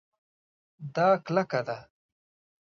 دا کلکه ده